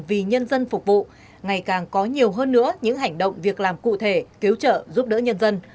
vì nhân dân phục vụ ngày càng có nhiều hơn nữa những hành động việc làm cụ thể cứu trợ giúp đỡ nhân dân